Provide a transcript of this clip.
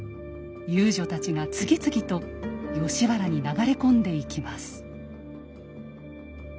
遊女たちが次々と吉原に流れ込んでいきます。